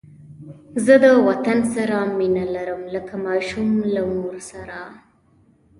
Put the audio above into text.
زه د وطن سره مینه لرم لکه ماشوم له مور سره